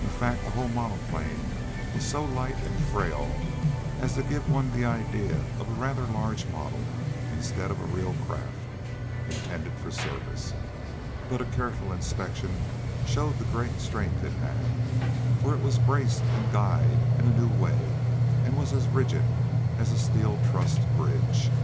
In fact, the whole monoplane was so light and frail as to give one the idea of a rather large model, instead of a real craft, intended for service. But a careful inspection showed the great strength it had, for it was braced and guyed in a new way, and was as rigid as a steel trussed bridge.